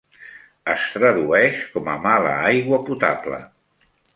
Es tradueix com a "mala aigua potable".